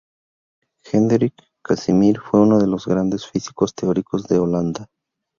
Hendrik Casimir fue uno de los grandes físicos teóricos de Holanda.